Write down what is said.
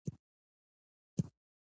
ځینې وخت هېوادونه لوی لاس خپل نرخ راکموي.